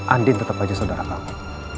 andi tetap saja saudara kamu